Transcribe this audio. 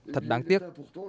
thật đáng tiếc